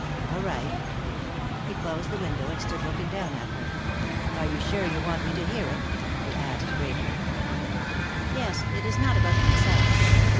"All right." He closed the window and stood looking down at her. "Are you sure you want me to hear it?" he asked gravely. "Yes. It is not about myself.